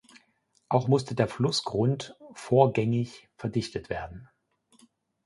Auch musste der Flussgrund vorgängig verdichtet werden.